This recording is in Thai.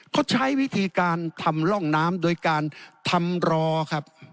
เขาใช้วิธีการทำร่องน้ำโดยการทำรอครับ